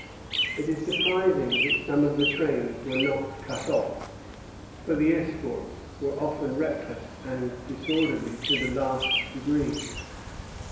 It is surprising that some of the trains were not cut off, for the escorts were often reckless and disorderly to the last degree.